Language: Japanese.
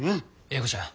英子ちゃん